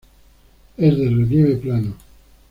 Es de relieve plano.